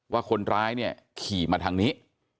ว่าคนร้ายเนี่ยขี่มาทางนี้